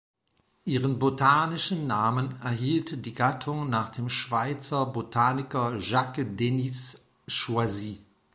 Ihren botanischen Namen erhielt die Gattung nach dem Schweizer Botaniker Jacques Denis Choisy.